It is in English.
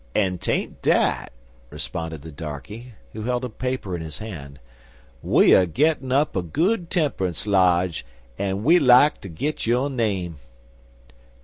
"An' 'tain't dat," responded the darkey, who held a paper in his hand. "We er gittin' up a Good Tempeler's lodge, an' we like ter git yo' name."